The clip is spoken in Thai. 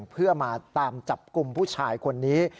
เพื่อมาตามจับกลุ่มผู้ชายคนนี้